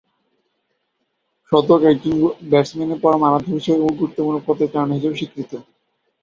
শতক একজন ব্যাটসম্যানের পরম আরাধ্য বিষয় ও গুরুত্বপূর্ণ পদচারণা হিসেবে স্বীকৃত।